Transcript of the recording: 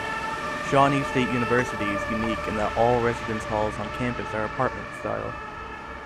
Shawnee State University is unique in that all residence halls on campus are apartment-style.